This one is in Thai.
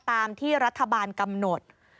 ตามที่รัฐบาลกำหนดนี่แหละ